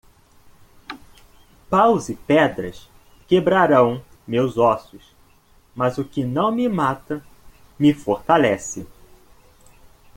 Paus e pedras quebrarão meus ossos, mas o que não me mata me fortalece.